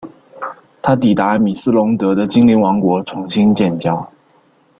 他抵达米斯龙德的精灵王国重新建交。